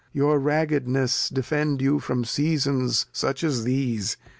Your raggedness defend you /^y"'"^' I From Seasons such as these.